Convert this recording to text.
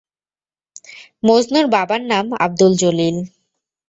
মজনুর বাবার নাম আবদুল জলিল।